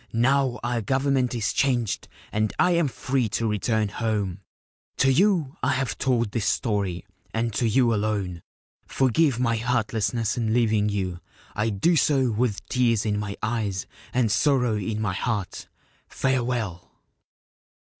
Now our Government is changed and I am free to return home. To you I have told this story, and to you alone. Forgive my heartlessness in leaving you. I do so with tears in my eyes and sorrow in my heart. Farewell